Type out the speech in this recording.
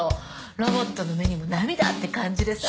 ロボットの目にも涙って感じでさ。